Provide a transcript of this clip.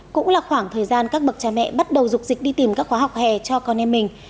cũng là khoảng thời gian các bậc cha mẹ bắt đầu dục dịch đi tìm các khóa học hè cho con em mình